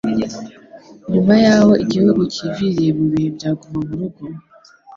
nyuma y'aho igihugu kiviriye mu bihe bya guma mu rugo